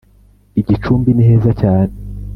igicumbi ni heza cyane